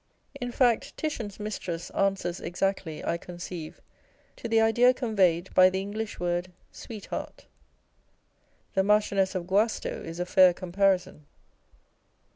In fact, Titian's "Mistress" answers exactly, I conceive, to the idea con veyed by the English word sweetheart. The Marchioness of Guasto is a fair comparison.